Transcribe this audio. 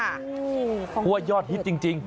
เพราะว่ายอดฮิตจริง